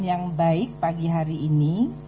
yang baik pagi hari ini